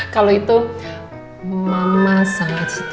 kalau itu mama sangat setuju